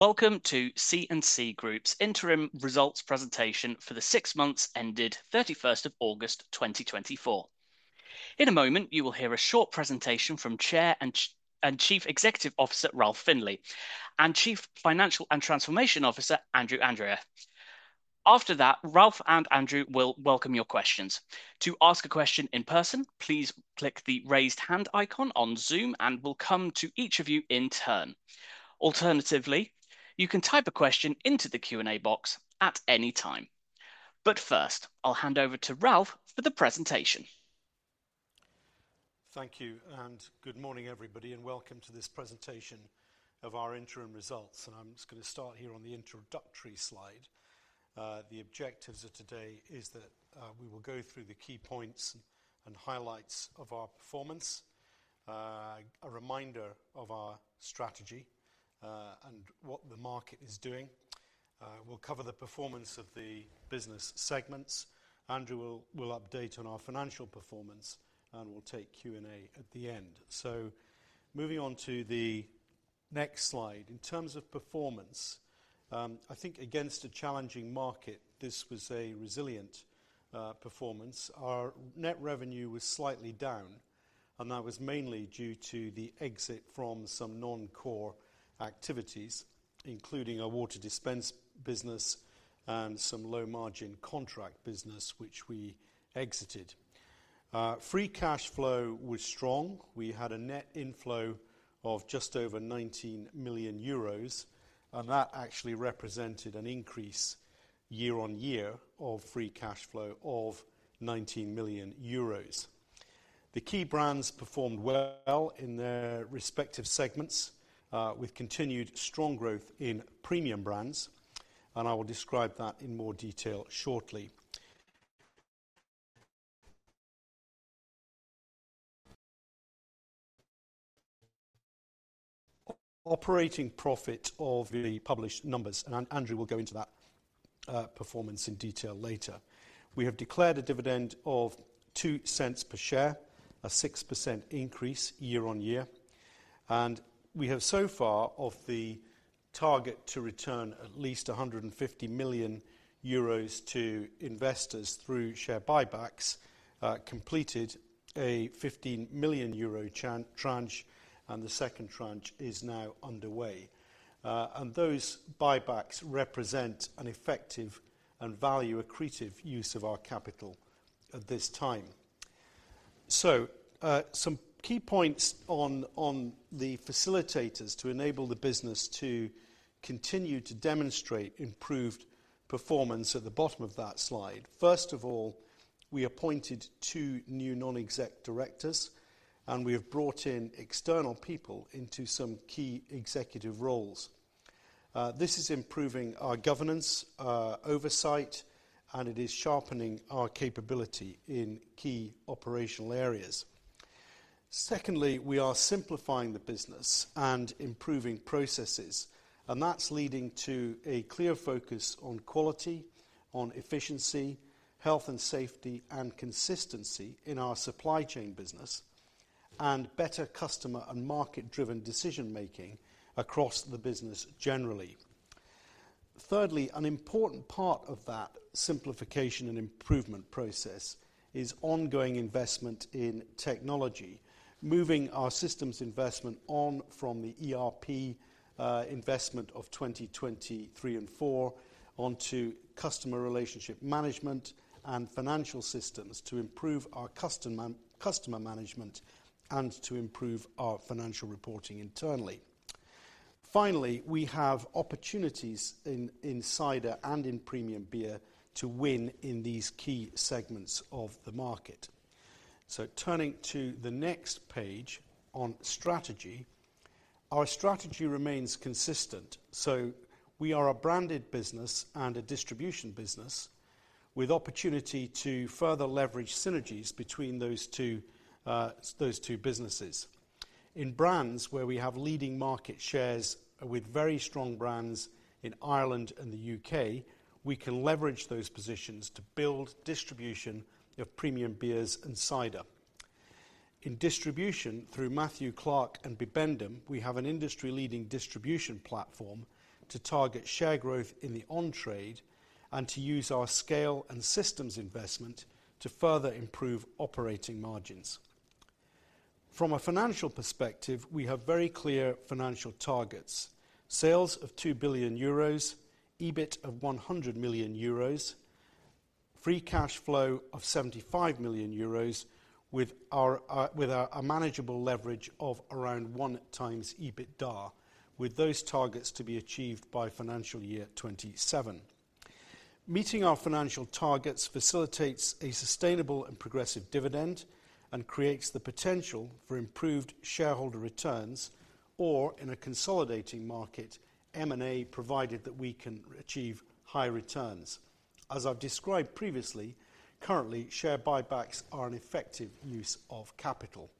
Welcome to C&C Group's interim results presentation for the six months ended thirty-first of August, twenty twenty-four. In a moment, you will hear a short presentation from Chair and Chief Executive Officer, Ralph Findlay, and Chief Financial and Transformation Officer, Andrew Andrea. After that, Ralph and Andrew will welcome your questions. To ask a question in person, please click the raised hand icon on Zoom, and we'll come to each of you in turn. Alternatively, you can type a question into the Q&A box at any time. But first, I'll hand over to Ralph for the presentation. Thank you, and good morning, everybody, and welcome to this presentation of our interim results. I'm just gonna start here on the introductory slide. The objectives of today is that, we will go through the key points and highlights of our performance, a reminder of our strategy, and what the market is doing. We'll cover the performance of the business segments. Andrew will update on our financial performance, and we'll take Q&A at the end. Moving on to the next slide. In terms of performance, I think against a challenging market, this was a resilient performance. Our net revenue was slightly down, and that was mainly due to the exit from some non-core activities, including our water dispense business and some low-margin contract business, which we exited. Free cash flow was strong. We had a net inflow of just over 19 million euros, and that actually represented an increase year-on-year of free cash flow of 19 million euros. The key brands performed well in their respective segments, with continued strong growth in premium brands, and I will describe that in more detail shortly. Operating profit of the published numbers, and Andrew will go into that performance in detail later. We have declared a dividend of 0.02 EUR per share, a 6% increase year-on-year, and we have so far, of the target to return at least 150 million euros to investors through share buybacks, completed a 15 million euro tranche, and the second tranche is now underway, and those buybacks represent an effective and value-accretive use of our capital at this time. So, some key points on the facilitators to enable the business to continue to demonstrate improved performance at the bottom of that slide. First of all, we appointed two new non-exec directors, and we have brought in external people into some key executive roles. This is improving our governance, oversight, and it is sharpening our capability in key operational areas. Secondly, we are simplifying the business and improving processes, and that's leading to a clear focus on quality, on efficiency, health and safety, and consistency in our supply chain business, and better customer and market-driven decision-making across the business generally. Thirdly, an important part of that simplification and improvement process is ongoing investment in technology, moving our systems investment on from the ERP investment of 2023 and 2024 onto customer relationship management and financial systems to improve our customer management and to improve our financial reporting internally. Finally, we have opportunities in cider and in premium beer to win in these key segments of the market. So turning to the next page on strategy, our strategy remains consistent. So we are a branded business and a distribution business with opportunity to further leverage synergies between those two businesses. In brands where we have leading market shares with very strong brands in Ireland and the U.K., we can leverage those positions to build distribution of premium beers and cider. In distribution, through Matthew Clark and Bibendum, we have an industry-leading distribution platform to target share growth in the on-trade and to use our scale and systems investment to further improve operating margins. From a financial perspective, we have very clear financial targets: sales of 2 billion euros, EBIT of 100 million euros, free cash flow of 75 million euros, with a manageable leverage of around one times EBITDA, with those targets to be achieved by financial year 2027. Meeting our financial targets facilitates a sustainable and progressive dividend and creates the potential for improved shareholder returns, or in a consolidating market, M&A, provided that we can achieve high returns. As I've described previously, currently, share buybacks are an effective use of capital,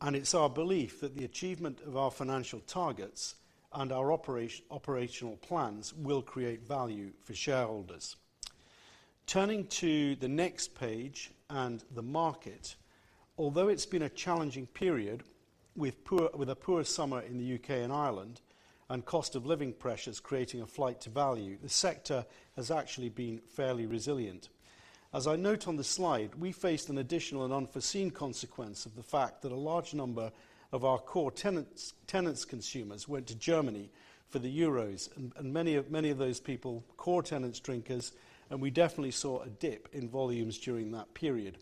and it's our belief that the achievement of our financial targets and our operational plans will create value for shareholders.... Turning to the next page and the market, although it's been a challenging period, with a poor summer in the U.K. and Ireland, and cost of living pressures creating a flight to value, the sector has actually been fairly resilient. As I note on the slide, we faced an additional and unforeseen consequence of the fact that a large number of our core Tennent's consumers went to Germany for the Euros, and many of those people, core Tennent's drinkers, and we definitely saw a dip in volumes during that period.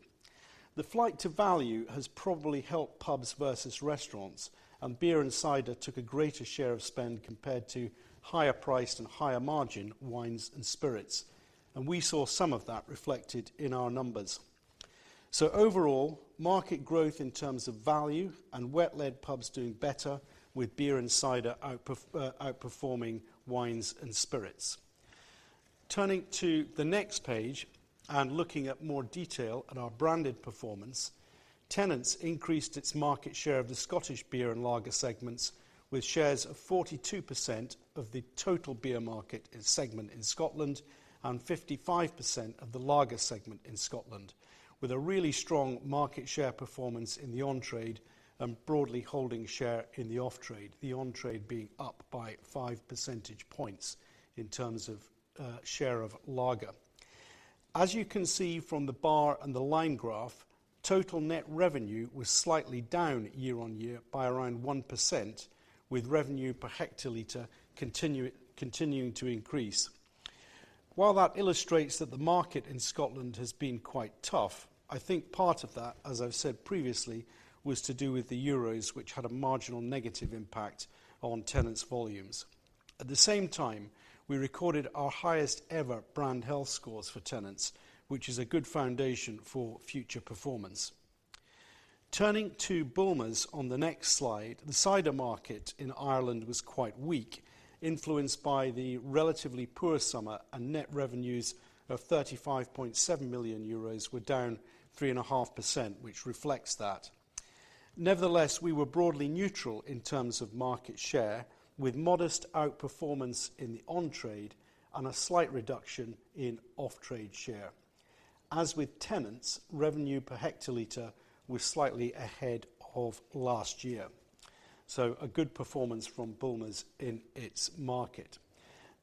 The flight to value has probably helped pubs versus restaurants, and beer and cider took a greater share of spend compared to higher priced and higher margin wines and spirits, and we saw some of that reflected in our numbers. So overall, market growth in terms of value and wet-led pubs doing better, with beer and cider outperforming wines and spirits. Turning to the next page and looking at more detail at our branded performance, Tennent's increased its market share of the Scottish beer and lager segments, with shares of 42% of the total beer market in segment in Scotland, and 55% of the lager segment in Scotland, with a really strong market share performance in the on-trade and broadly holding share in the off-trade, the on-trade being up by five percentage points in terms of share of lager. As you can see from the bar and the line graph, total net revenue was slightly down year-on-year by around 1%, with revenue per hectolitre continuing to increase. While that illustrates that the market in Scotland has been quite tough, I think part of that, as I've said previously, was to do with the Euros, which had a marginal negative impact on Tennent's volumes. At the same time, we recorded our highest ever brand health scores for Tennent's, which is a good foundation for future performance. Turning to Bulmers on the next slide, the cider market in Ireland was quite weak, influenced by the relatively poor summer, and net revenues of 35.7 million euros were down 3.5%, which reflects that. Nevertheless, we were broadly neutral in terms of market share, with modest outperformance in the on-trade and a slight reduction in off-trade share. As with Tennent's, revenue per hectolitre was slightly ahead of last year, so a good performance from Bulmers in its market.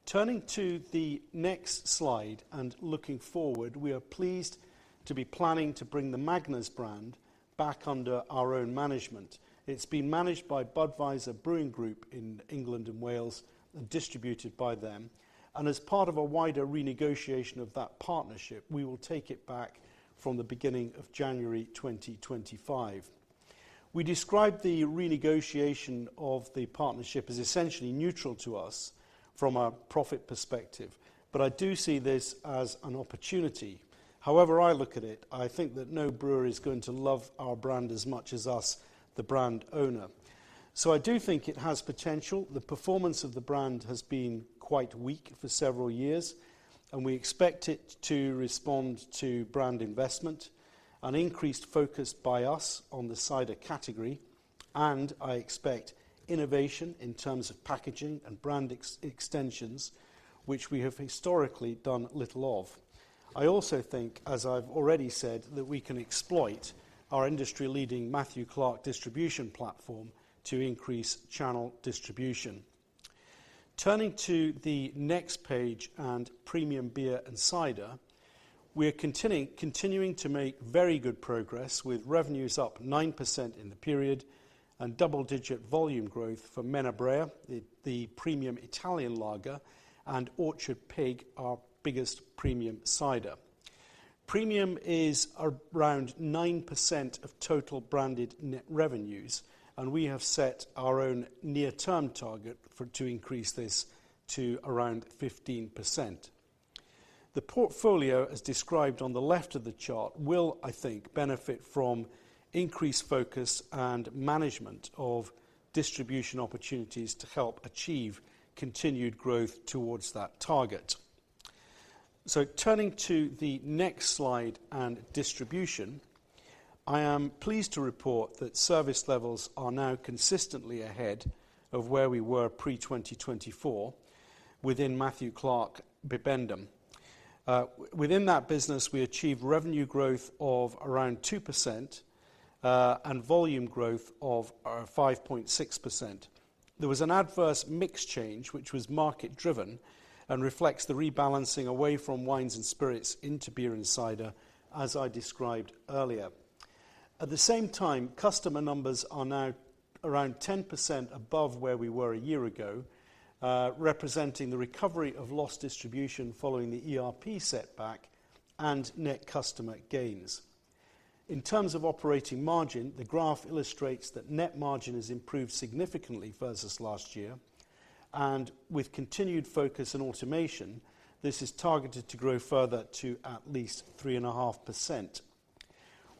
Turning to the next slide and looking forward, we are pleased to be planning to bring the Magners brand back under our own management. It's been managed by Budweiser Brewing Group in England and Wales and distributed by them, and as part of a wider renegotiation of that partnership, we will take it back from the beginning of January 2025. We described the renegotiation of the partnership as essentially neutral to us from a profit perspective, but I do see this as an opportunity. However I look at it, I think that no brewery is going to love our brand as much as us, the brand owner. So I do think it has potential. The performance of the brand has been quite weak for several years, and we expect it to respond to brand investment, an increased focus by us on the cider category, and I expect innovation in terms of packaging and brand extensions, which we have historically done little of. I also think, as I've already said, that we can exploit our industry-leading Matthew Clark distribution platform to increase channel distribution. Turning to the next page and premium beer and cider, we're continuing to make very good progress, with revenues up 9% in the period and double-digit volume growth for Menabrea, the premium Italian lager, and Orchard Pig, our biggest premium cider. Premium is around 9% of total branded net revenues, and we have set our own near-term target for to increase this to around 15%. The portfolio, as described on the left of the chart, will, I think, benefit from increased focus and management of distribution opportunities to help achieve continued growth towards that target. So turning to the next slide and distribution, I am pleased to report that service levels are now consistently ahead of where we were pre-2024 within Matthew Clark Bibendum. Within that business, we achieved revenue growth of around 2%, and volume growth of 5.6%. There was an adverse mix change, which was market-driven and reflects the rebalancing away from wines and spirits into beer and cider, as I described earlier. At the same time, customer numbers are now around 10% above where we were a year ago, representing the recovery of lost distribution following the ERP setback and net customer gains. In terms of operating margin, the graph illustrates that net margin has improved significantly versus last year, and with continued focus on automation, this is targeted to grow further to at least 3.5%.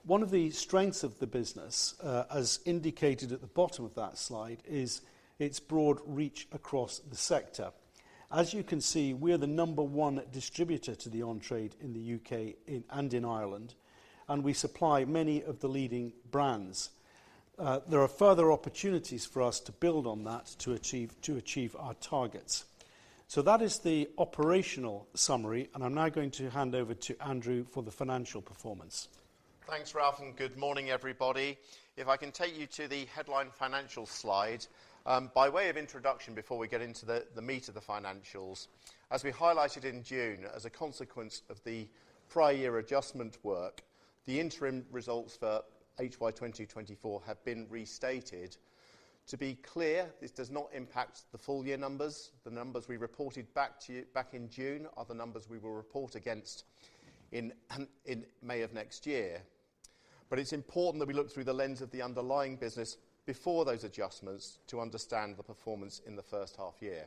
One of the strengths of the business, as indicated at the bottom of that slide, is its broad reach across the sector. As you can see, we are the number one distributor to the on-trade in the U.K. and in Ireland, and we supply many of the leading brands. There are further opportunities for us to build on that to achieve our targets. So that is the operational summary, and I'm now going to hand over to Andrew for the financial performance. Thanks, Ralph, and good morning, everybody. If I can take you to the headline financial slide, by way of introduction before we get into the meat of the financials. As we highlighted in June, as a consequence of the prior year adjustment work, the interim results for HY twenty twenty-four have been restated. To be clear, this does not impact the full year numbers. The numbers we reported back to you, back in June are the numbers we will report against in May of next year. But it's important that we look through the lens of the underlying business before those adjustments to understand the performance in the first half year.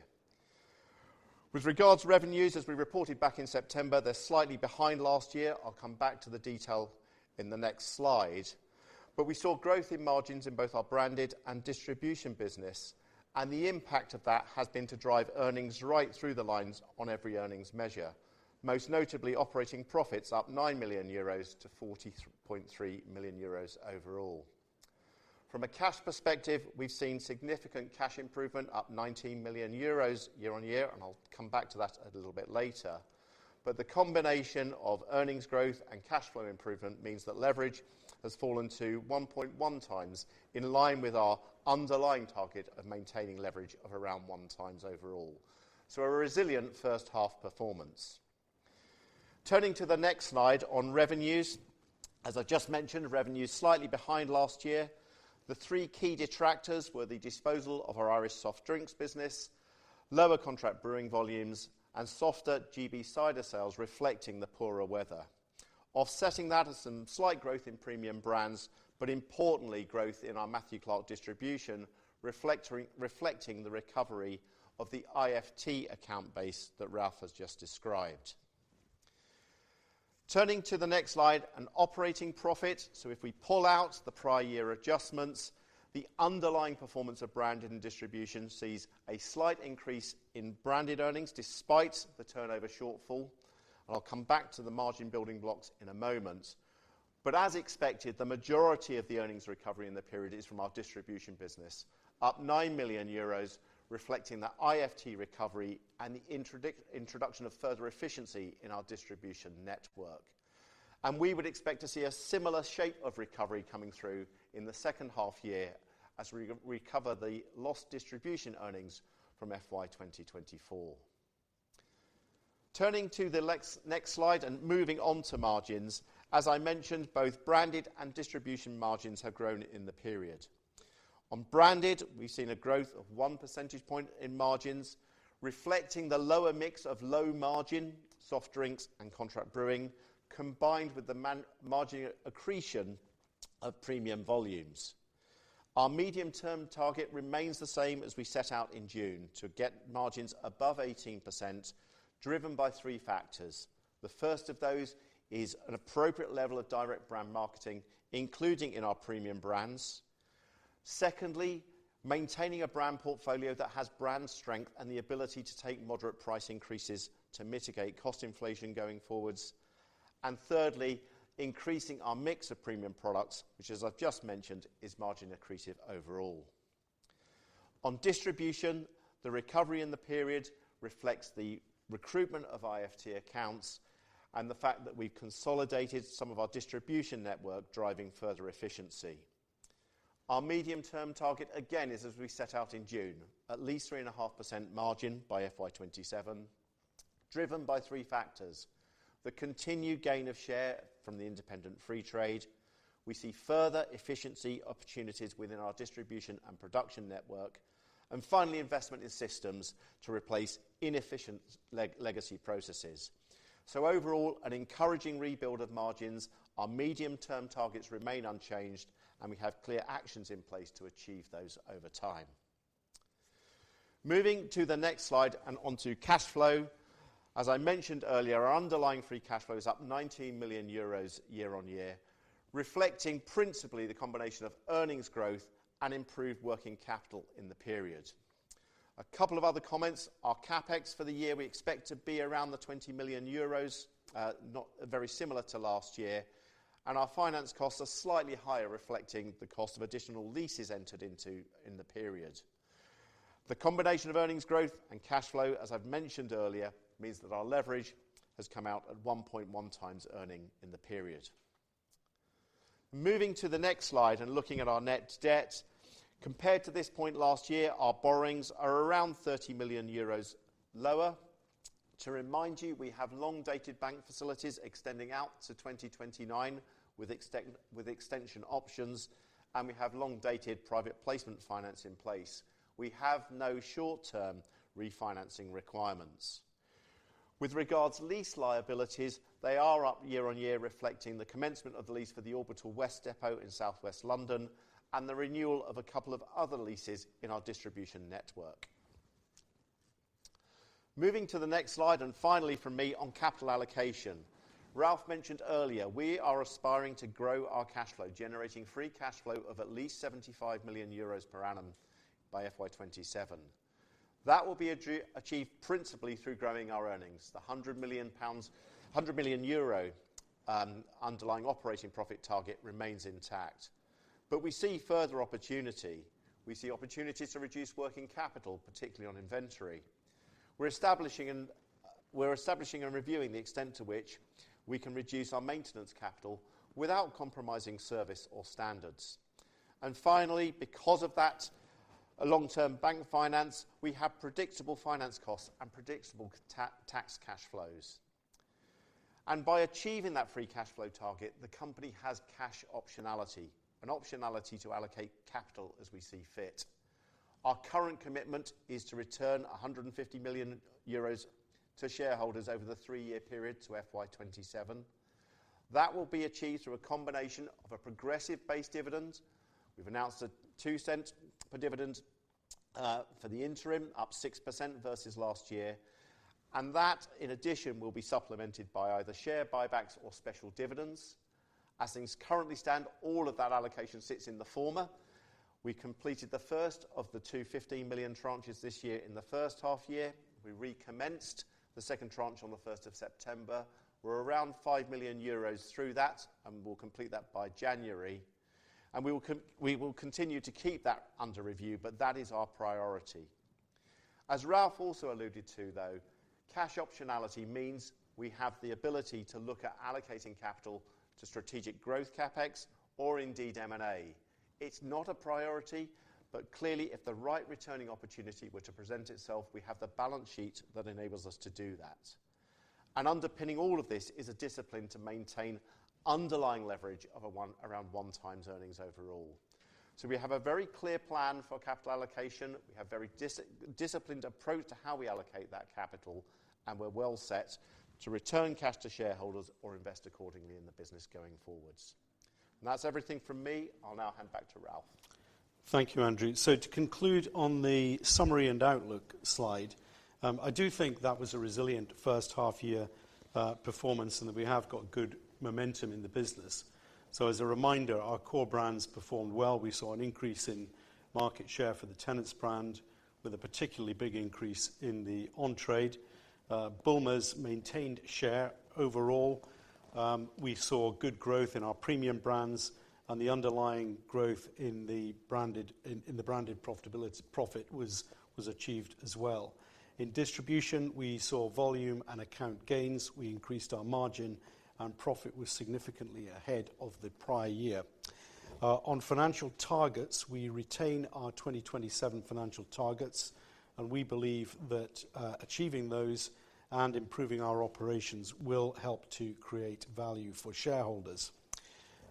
With regards to revenues, as we reported back in September, they're slightly behind last year. I'll come back to the detail in the next slide. But we saw growth in margins in both our branded and distribution business, and the impact of that has been to drive earnings right through the lines on every earnings measure, most notably operating profits up 9 million euros to 43.3 million euros overall. From a cash perspective, we've seen significant cash improvement, up 19 million euros year on year, and I'll come back to that a little bit later. But the combination of earnings growth and cash flow improvement means that leverage has fallen to 1.1 times, in line with our underlying target of maintaining leverage of around 1 time overall. So a resilient first half performance. Turning to the next slide on revenues. As I just mentioned, revenues slightly behind last year. The three key detractors were the disposal of our Irish soft drinks business, lower contract brewing volumes, and softer GB cider sales reflecting the poorer weather. Offsetting that is some slight growth in premium brands, but importantly, growth in our Matthew Clark distribution, reflecting the recovery of the IFT account base that Ralph has just described. Turning to the next slide, an operating profit. So if we pull out the prior year adjustments, the underlying performance of branded and distribution sees a slight increase in branded earnings, despite the turnover shortfall. I'll come back to the margin building blocks in a moment. But as expected, the majority of the earnings recovery in the period is from our distribution business, up 9 million euros, reflecting the IFT recovery and the introduction of further efficiency in our distribution network. We would expect to see a similar shape of recovery coming through in the second half year as we recover the lost distribution earnings from FY 2024. Turning to the next slide and moving on to margins. As I mentioned, both branded and distribution margins have grown in the period. On branded, we've seen a growth of one percentage point in margins, reflecting the lower mix of low margin, soft drinks and contract brewing, combined with the margin accretion of premium volumes. Our medium-term target remains the same as we set out in June, to get margins above 18%, driven by three factors. The first of those is an appropriate level of direct brand marketing, including in our premium brands. Secondly, maintaining a brand portfolio that has brand strength and the ability to take moderate price increases to mitigate cost inflation going forwards. Thirdly, increasing our mix of premium products, which, as I've just mentioned, is margin accretive overall. On distribution, the recovery in the period reflects the recruitment of IFT accounts and the fact that we consolidated some of our distribution network, driving further efficiency. Our medium-term target, again, is as we set out in June, at least 3.5% margin by FY 2027, driven by three factors: the continued gain of share from the Independent Free Trade, we see further efficiency opportunities within our distribution and production network, and finally, investment in systems to replace inefficient legacy processes. Overall, an encouraging rebuild of margins. Our medium-term targets remain unchanged, and we have clear actions in place to achieve those over time. Moving to the next slide and onto cash flow. As I mentioned earlier, our underlying free cash flow is up 19 million euros year on year, reflecting principally the combination of earnings growth and improved working capital in the period. A couple of other comments. Our CapEx for the year, we expect to be around 20 million euros, very similar to last year, and our finance costs are slightly higher, reflecting the cost of additional leases entered into in the period. The combination of earnings growth and cash flow, as I've mentioned earlier, means that our leverage has come out at 1.1 times earnings in the period. Moving to the next slide and looking at our net debt. Compared to this point last year, our borrowings are around 30 million euros lower. To remind you, we have long-dated bank facilities extending out to 2029, with extension options, and we have long-dated private placement finance in place. We have no short-term refinancing requirements. With regards lease liabilities, they are up year on year, reflecting the commencement of the lease for the Orbital West Depot in Southwest London, and the renewal of a couple of other leases in our distribution network. Moving to the next slide and finally from me on capital allocation. Ralph mentioned earlier, we are aspiring to grow our cash flow, generating free cash flow of at least 75 million euros per annum by FY 2027. That will be achieved principally through growing our earnings. The 100 million EUR underlying operating profit target remains intact, but we see further opportunity. We see opportunities to reduce working capital, particularly on inventory. We're establishing and reviewing the extent to which we can reduce our maintenance capital without compromising service or standards. Finally, because of that long-term bank finance, we have predictable finance costs and predictable tax cash flows. By achieving that free cash flow target, the company has cash optionality, an optionality to allocate capital as we see fit. Our current commitment is to return 150 million euros to shareholders over the three-year period to FY 2027. That will be achieved through a combination of a progressive base dividend. We've announced a 2-cent per dividend for the interim, up 6% versus last year, and that in addition will be supplemented by either share buybacks or special dividends. As things currently stand, all of that allocation sits in the former. We completed the first of the two 15 million tranches this year in the first half year. We recommenced the second tranche on the first of September. We're around 5 million euros through that, and we'll complete that by January, and we will continue to keep that under review, but that is our priority. As Ralph also alluded to, though, cash optionality means we have the ability to look at allocating capital to strategic growth CapEx or indeed M&A. It's not a priority, but clearly, if the right returning opportunity were to present itself, we have the balance sheet that enables us to do that. And underpinning all of this is a discipline to maintain underlying leverage of a one, around one times earnings overall. So we have a very clear plan for capital allocation. We have a very disciplined approach to how we allocate that capital, and we're well set to return cash to shareholders or invest accordingly in the business going forward. That's everything from me. I'll now hand back to Ralph. Thank you, Andrew. So to conclude on the summary and outlook slide, I do think that was a resilient first half year performance, and that we have got good momentum in the business. So as a reminder, our core brands performed well. We saw an increase in market share for the Tennent's brand, with a particularly big increase in the on-trade. Bulmers maintained share overall. We saw good growth in our premium brands and the underlying growth in the branded profitability, profit was achieved as well. In distribution, we saw volume and account gains. We increased our margin, and profit was significantly ahead of the prior year. On financial targets, we retain our 2027 financial targets, and we believe that achieving those and improving our operations will help to create value for shareholders.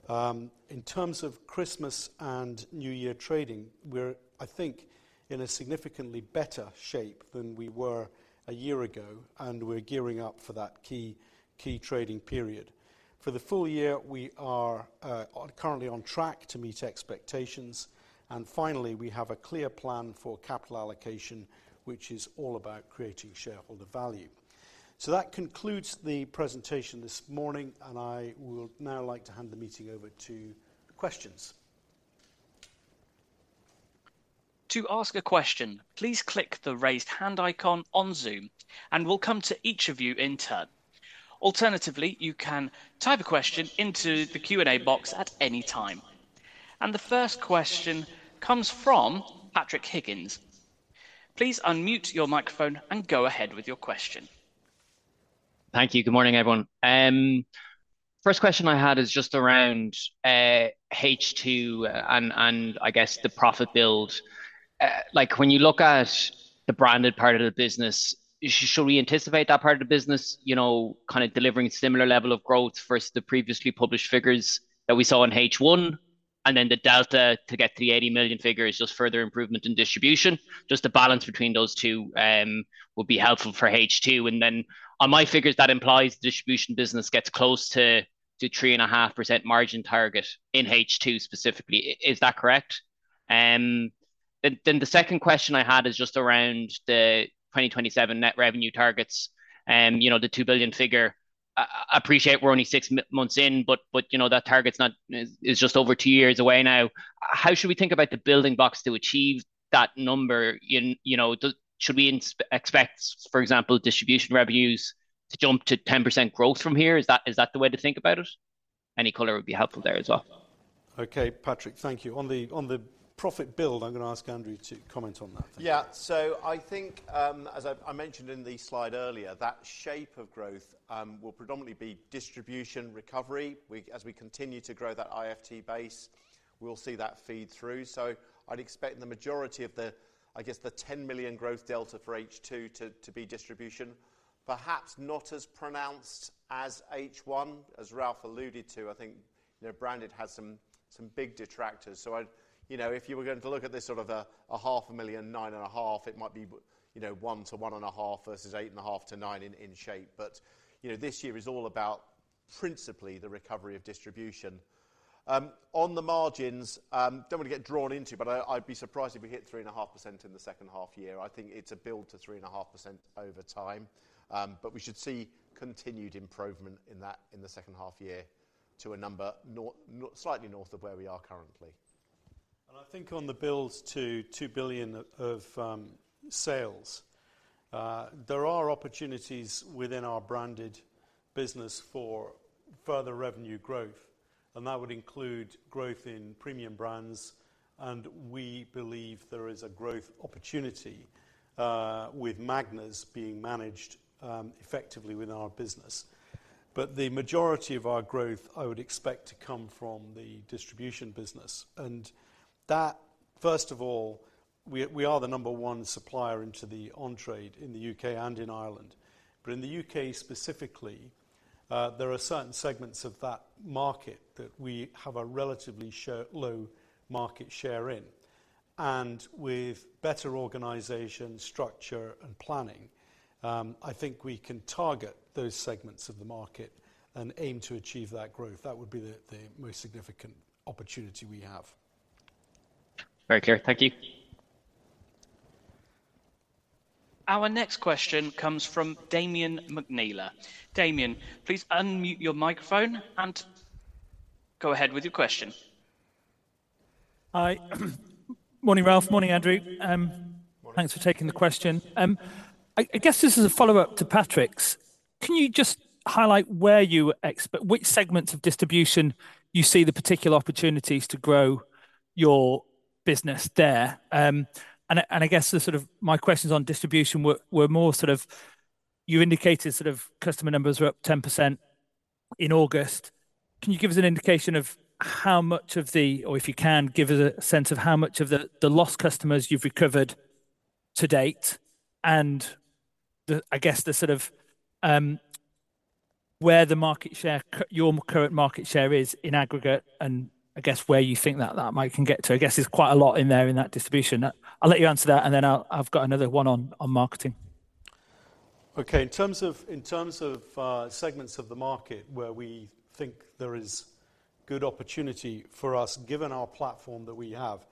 In terms of Christmas and New Year trading, we're, I think, in a significantly better shape than we were a year ago, and we're gearing up for that key trading period. For the full year, we are currently on track to meet expectations, and finally, we have a clear plan for capital allocation, which is all about creating shareholder value. So that concludes the presentation this morning, and I will now like to hand the meeting over to questions. To ask a question, please click the Raise Hand icon on Zoom, and we'll come to each of you in turn. Alternatively, you can type a question into the Q&A box at any time. And the first question comes from Patrick Higgins. Please unmute your microphone and go ahead with your question. Thank you. Good morning, everyone. First question I had is just around H2, and I guess the profit build. Like, when you look at the branded part of the business, should we anticipate that part of the business, you know, kind of delivering similar level of growth versus the previously published figures that we saw in H1, and then the delta to get to the 80 million figure is just further improvement in distribution? Just the balance between those two would be helpful for H2. And then on my figures, that implies the distribution business gets close to three and a half percent margin target in H2 specifically. Is that correct? Then the second question I had is just around the 2027 net revenue targets. You know, the 2 billion figure. I appreciate we're only six months in, but you know, that target is just over two years away now. How should we think about the building blocks to achieve that number in... You know, should we expect, for example, distribution revenues to jump to 10% growth from here? Is that the way to think about it? Any color would be helpful there as well. Okay, Patrick, thank you. On the profit build, I'm gonna ask Andrew to comment on that. Yeah. So I think, as I mentioned in the slide earlier, that shape of growth will predominantly be distribution recovery. We, as we continue to grow that IFT base, we'll see that feed through. So I'd expect the majority of the, I guess, the 10 million growth delta for H2 to be distribution, perhaps not as pronounced as H1. As Ralph alluded to, I think, you know, branded has some big detractors. So I'd... You know, if you were going to look at this sort of a 0.5 million, 9.5, it might be, you know, 1-1.5 versus 8.5-9 in shape. But, you know, this year is all about principally the recovery of distribution. On the margins, don't want to get drawn into, but I'd be surprised if we hit 3.5% in the second half year. I think it's a build to 3.5% over time, but we should see continued improvement in that in the second half year to a number slightly north of where we are currently. I think on the build to two billion of sales, there are opportunities within our branded business for further revenue growth, and that would include growth in premium brands, and we believe there is a growth opportunity with Magners being managed effectively within our business. But the majority of our growth, I would expect to come from the distribution business. And that, first of all, we are the number one supplier into the on-trade in the U.K. and in Ireland, but in the U.K. specifically, there are certain segments of that market that we have a relatively low market share in. And with better organization, structure, and planning, I think we can target those segments of the market and aim to achieve that growth. That would be the most significant opportunity we have. Very clear. Thank you. Our next question comes from Damian McNeela. Damian, please unmute your microphone and go ahead with your question. Hi. Morning, Ralph. Morning, Andrew. Morning. Thanks for taking the question. I guess this is a follow-up to Patrick's. Can you just highlight where you expect which segments of distribution you see the particular opportunities to grow your business there? And I guess the sort of my questions on distribution were more sort of you indicated sort of customer numbers were up 10% in August. Can you give us an indication of how much of the or if you can, give us a sense of how much of the the lost customers you've recovered to date, and then I guess the sort of where the market share your current market share is in aggregate, and I guess where you think that that might can get to? I guess there's quite a lot in there in that distribution. I'll let you answer that, and then I'll. I've got another one on marketing. Okay. In terms of segments of the market where we think there is good opportunity for us, given our platform that we have,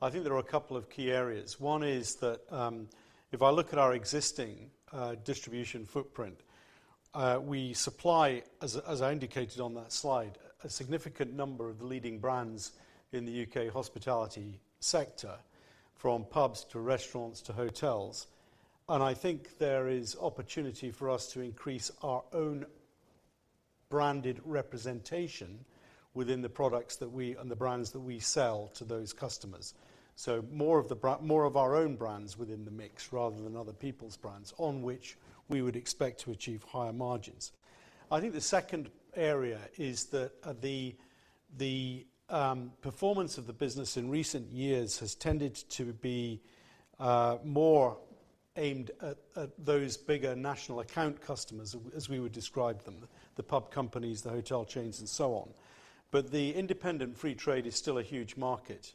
I think there are a couple of key areas. One is that if I look at our existing distribution footprint, we supply, as I indicated on that slide, a significant number of the leading brands in the U.K. hospitality sector, from pubs to restaurants to hotels, and I think there is opportunity for us to increase our own branded representation within the products and the brands that we sell to those customers. So more of our own brands within the mix, rather than other people's brands, on which we would expect to achieve higher margins. I think the second area is that, the performance of the business in recent years has tended to be, more aimed at those bigger national account customers, as we would describe them: the pub companies, the hotel chains, and so on. But the Independent Free Trade is still a huge market,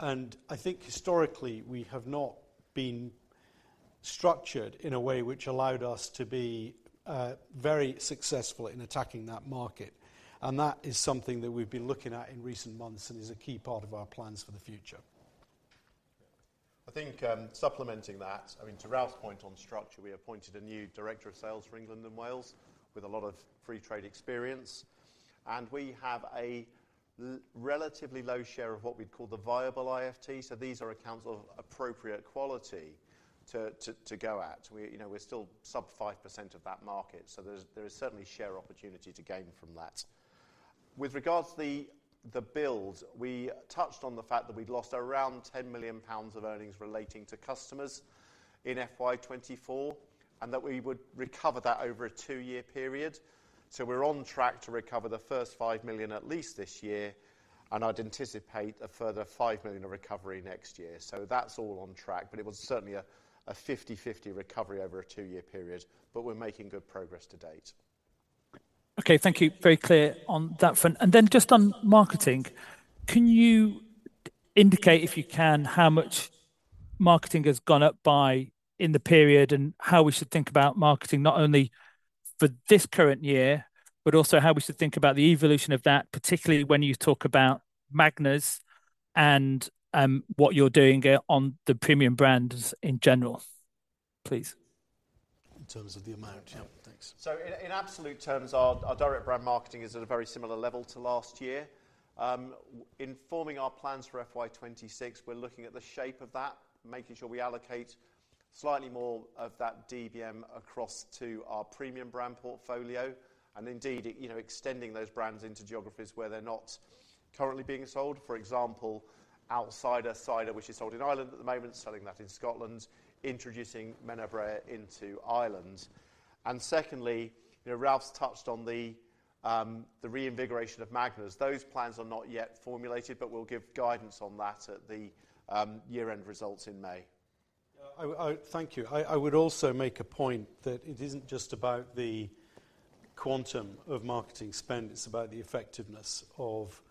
and I think historically, we have not been structured in a way which allowed us to be, very successful in attacking that market, and that is something that we've been looking at in recent months and is a key part of our plans for the future. I think, supplementing that, I mean, to Ralph's point on structure, we appointed a new director of sales for England and Wales with a lot of free trade experience, and we have relatively low share of what we'd call the viable IFT. So these are accounts of appropriate quality to go at. You know, we're still sub 5% of that market, so there is certainly share opportunity to gain from that. With regards to the build, we touched on the fact that we'd lost around 10 million pounds of earnings relating to customers in FY 2024, and that we would recover that over a two-year period. So we're on track to recover the first 5 million at least this year, and I'd anticipate a further 5 million of recovery next year. So that's all on track, but it was certainly a fifty-fifty recovery over a two-year period, but we're making good progress to date. Okay, thank you. Very clear on that front, and then just on marketing, can you indicate, if you can, how much marketing has gone up by in the period, and how we should think about marketing, not only for this current year, but also how we should think about the evolution of that, particularly when you talk about Magners and what you're doing on the premium brands in general, please? In terms of the amount? Yeah. Thanks. So in absolute terms, our direct brand marketing is at a very similar level to last year. In forming our plans for FY 2026, we're looking at the shape of that, making sure we allocate slightly more of that DBM across to our premium brand portfolio, and indeed, you know, extending those brands into geographies where they're not currently being sold. For example, Outcider, which is sold in Ireland at the moment, selling that in Scotland, introducing Menabrea into Ireland. And secondly, you know, Ralph's touched on the reinvigoration of Magners. Those plans are not yet formulated, but we'll give guidance on that at the year-end results in May. Thank you. I would also make a point that it isn't just about the quantum of marketing spend, it's about the effectiveness of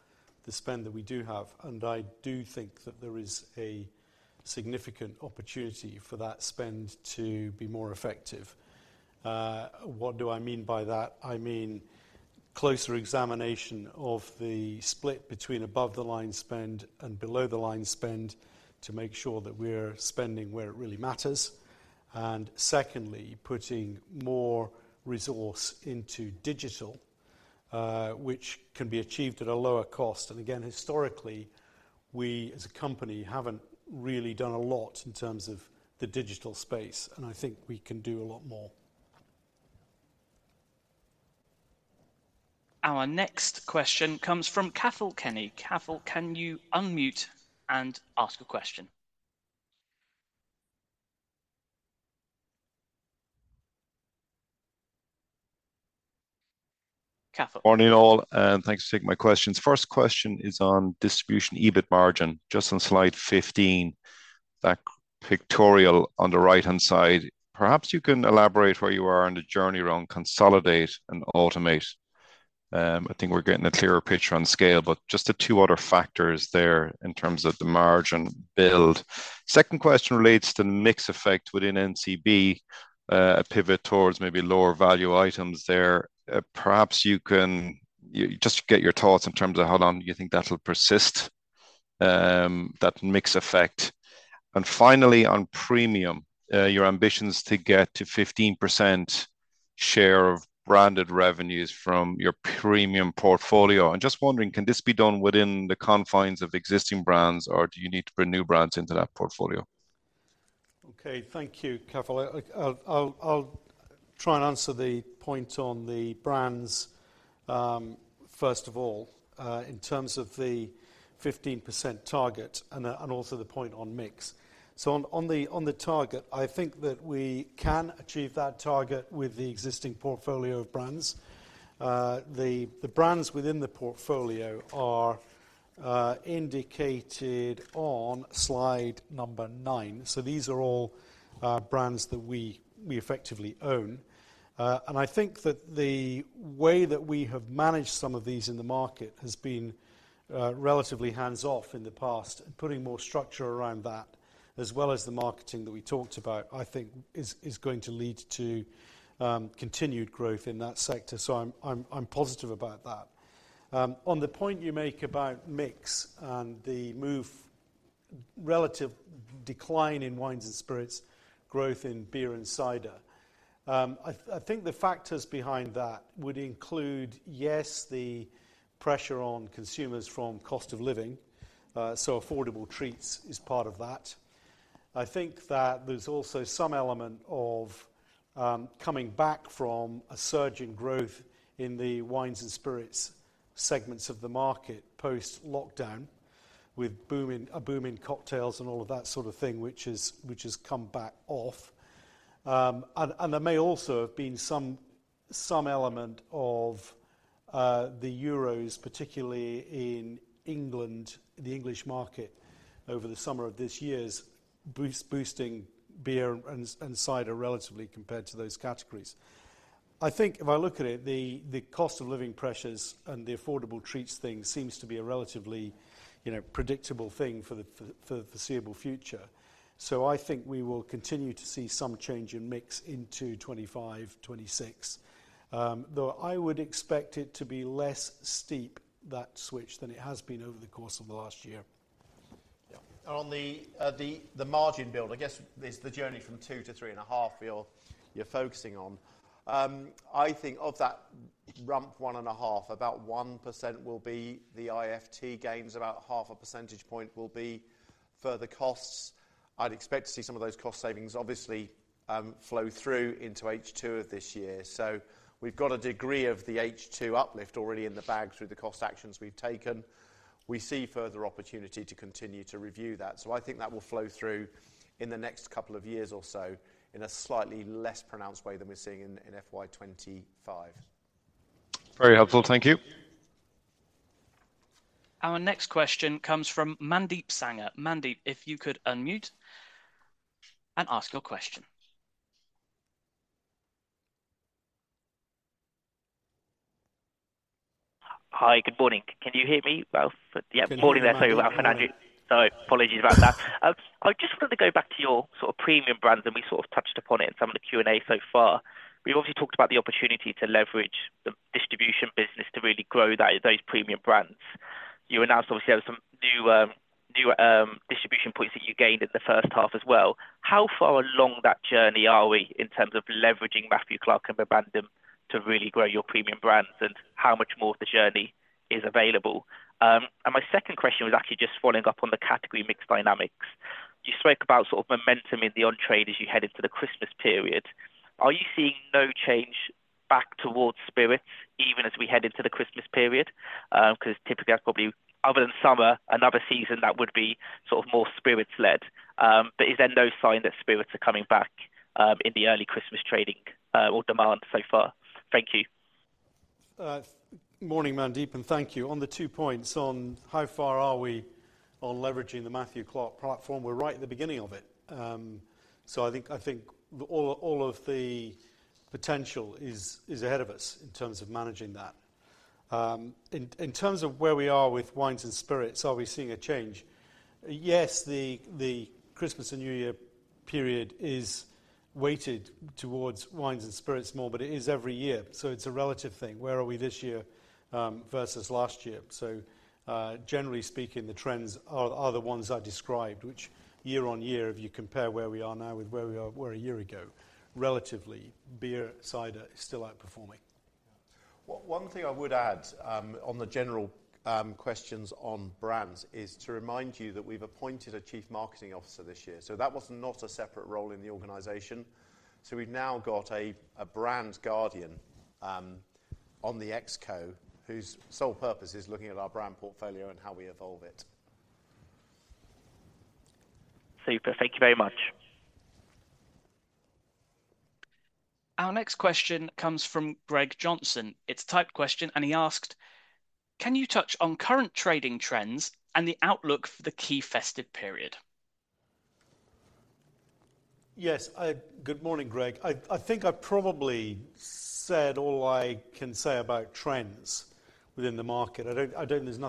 the spend that we do have, and I do think that there is a significant opportunity for that spend to be more effective. What do I mean by that? I mean, closer examination of the split between above-the-line spend and below-the-line spend to make sure that we're spending where it really matters. And secondly, putting more resource into digital, which can be achieved at a lower cost. And again, historically, we as a company haven't really done a lot in terms of the digital space, and I think we can do a lot more. Our next question comes from Cathal Kenny. Cathal, can you unmute and ask a question? Cathal. Morning, all, and thanks for taking my questions. First question is on distribution EBIT margin, just on slide fifteen, that pictorial on the right-hand side. Perhaps you can elaborate where you are on the journey around consolidate and automate. I think we're getting a clearer picture on scale, but just the two other factors there in terms of the margin build. Second question relates to mix effect within MCB, a pivot towards maybe lower value items there. Perhaps you can just get your thoughts in terms of how long you think that will persist, that mix effect. And finally, on premium, your ambitions to get to 15% share of branded revenues from your premium portfolio. I'm just wondering, can this be done within the confines of existing brands, or do you need to bring new brands into that portfolio? Okay, thank you, Cathal. I'll try and answer the point on the brands first of all in terms of the 15% target and also the point on mix, so on the target, I think that we can achieve that target with the existing portfolio of brands. The brands within the portfolio are indicated on slide number nine. These are all brands that we effectively own. And I think that the way that we have managed some of these in the market has been relatively hands-off in the past, and putting more structure around that, as well as the marketing that we talked about, I think is going to lead to continued growth in that sector, so I'm positive about that. On the point you make about mix and the move, relative decline in wines and spirits, growth in beer and cider, I think the factors behind that would include, yes, the pressure on consumers from cost of living, so affordable treats is part of that. I think that there's also some element of coming back from a surge in growth in the wines and spirits segments of the market, post-lockdown, with booming cocktails and all of that sort of thing, which has come back off. There may also have been some element of the Euros, particularly in England, the English market, over the summer of this year boosting beer and cider relatively compared to those categories. I think if I look at it, the cost of living pressures and the affordable treats thing seems to be a relatively, you know, predictable thing for the foreseeable future. So I think we will continue to see some change in mix into 2025, 2026, though I would expect it to be less steep, that switch, than it has been over the course of the last year. Yeah. On the margin build, I guess, is the journey from two to three and a half you're focusing on. I think of that remaining one and a half, about 1% will be the IFT gains, about half a percentage point will be further costs. I'd expect to see some of those cost savings, obviously, flow through into H2 of this year. So we've got a degree of the H2 uplift already in the bag through the cost actions we've taken. We see further opportunity to continue to review that. So I think that will flow through in the next couple of years or so in a slightly less pronounced way than we're seeing in FY 2025. Very helpful. Thank you. Our next question comes from Mandeep Sangha. Mandeep, if you could unmute and ask your question. Hi, good morning. Can you hear me well? Yeah. Can you hear me now? Morning there, sorry about that, Andrew. So apologies about that. I just wanted to go back to your sort of premium brands, and we sort of touched upon it in some of the Q&A so far. We've obviously talked about the opportunity to leverage the distribution business to really grow that, those premium brands. You announced, obviously, there was some new distribution points that you gained in the first half as well. How far along that journey are we in terms of leveraging Matthew Clark and Bibendum to really grow your premium brands, and how much more of the journey is available? And my second question was actually just following up on the category mix dynamics. You spoke about sort of momentum in the on-trade as you head into the Christmas period. Are you seeing no change back towards spirits, even as we head into the Christmas period? 'Cause typically, that's probably, other than summer, another season that would be sort of more spirits-led. But is there no sign that spirits are coming back, in the early Christmas trading, or demand so far? Thank you. Morning, Mandeep, and thank you. On the two points on how far are we on leveraging the Matthew Clark platform, we're right at the beginning of it. So I think all of the potential is ahead of us in terms of managing that. In terms of where we are with wines and spirits, are we seeing a change? Yes, the Christmas and New Year period is weighted towards wines and spirits more, but it is every year, so it's a relative thing. Where are we this year versus last year? So generally speaking, the trends are the ones I described, which year on year, if you compare where we are now with where we were a year ago, relatively, beer, cider is still outperforming.... One thing I would add, on the general questions on brands, is to remind you that we've appointed a Chief Marketing Officer this year. So that was not a separate role in the organization. So we've now got a brand guardian on the ExCo, whose sole purpose is looking at our brand portfolio and how we evolve it. Super. Thank you very much. Our next question comes from Greg Johnson. It's a typed question, and he asked: Can you touch on current trading trends and the outlook for the key festive period? Yes. Good morning, Greg. I think I probably said all I can say about trends within the market. I don't. There's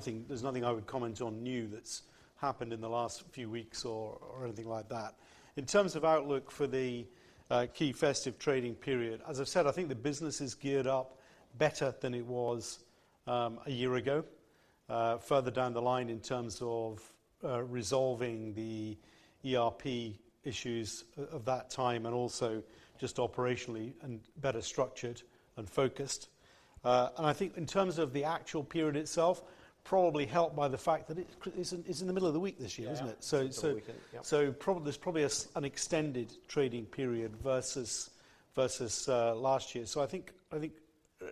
nothing I would comment on new that's happened in the last few weeks or anything like that. In terms of outlook for the key festive trading period, as I've said, I think the business is geared up better than it was a year ago, further down the line in terms of resolving the ERP issues of that time, and also just operationally and better structured and focused. I think in terms of the actual period itself, probably helped by the fact that it is in the middle of the week this year, isn't it? Yeah, middle of the week. Yep. So probably, there's probably an extended trading period versus last year. So I think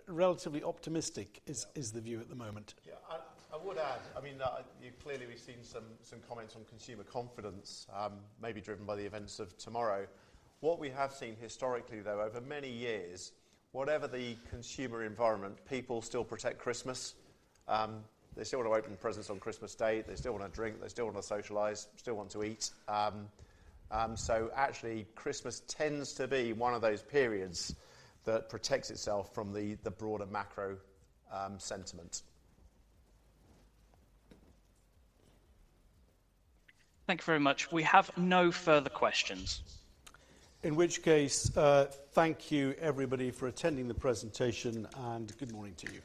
relatively optimistic- Yeah... is, is the view at the moment. Yeah, I would add, I mean, you've clearly, we've seen some comments on consumer confidence, maybe driven by the events of tomorrow. What we have seen historically, though, over many years, whatever the consumer environment, people still protect Christmas. They still want to open presents on Christmas Day. They still want to drink, they still want to socialize, still want to eat. So actually, Christmas tends to be one of those periods that protects itself from the broader macro sentiment. Thank you very much. We have no further questions. In which case, thank you, everybody, for attending the presentation, and good morning to you.